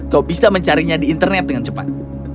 kau bisa mencarinya di internet dengan cepat